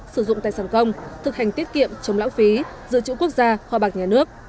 sử dụng tài sản công thực hành tiết kiệm chống lão phí giữ chữ quốc gia họa bạc nhà nước